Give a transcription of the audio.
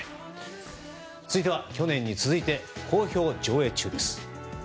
続いては去年に続いて、好評上映中です。